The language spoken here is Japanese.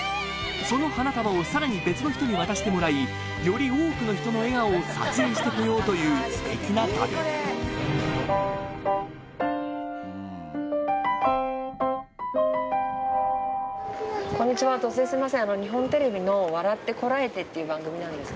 その花束をさらに別の人に渡してもらいより多くの人の笑顔を撮影して来ようというステキな旅いいですかありがとうございます。